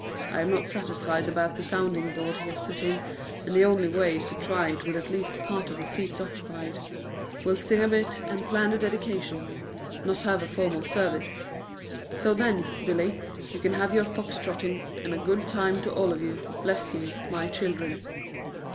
I am not satisfied about the sounding board he has put in, and the only way is to try it with at least part of the seats occupied. We'll sing a bit and plan the dedication; not have a formal service. So then, Billy, you can have your fox trotting and a good time to all of you, bless you, my children."